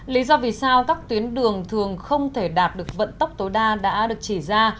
lý do vì sao các tuyến đường thường không thể đạt được vận tốc tối đa đã được chỉ ra